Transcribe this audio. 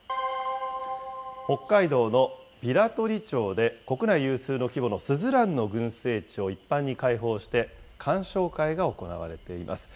北海道の平取町で国内有数の規模のすずらんの群生地を一般に開放して、観賞会が行われています。